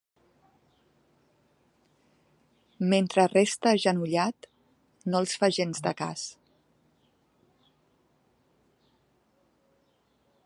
Mentre resta agenollat no els fa gens de cas.